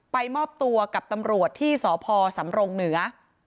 มอบตัวกับตำรวจที่สพสำรงเหนือ